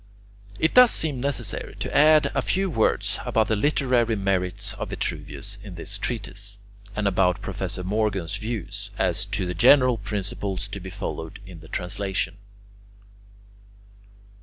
It does seem necessary to add a few words about the literary merits of Vitruvius in this treatise, and about Professor Morgan's views as to the general principles to be followed in the translation.